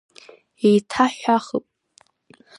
Еиҭаҳҳәахып.